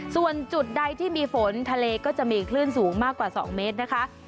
ส่วนจุดใดที่มีฝนทะเลก็จะมีคลื่นสูงมากกว่า๒เมตรนะคะ